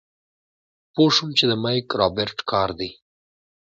پوه شوم چې د مايک رابرټ کار دی.